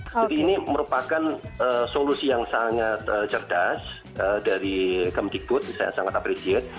jadi ini merupakan solusi yang sangat cerdas dari kemendikbud saya sangat apresiasi